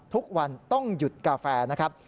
ทุกวันต้องหยุดกาแฟนะครับ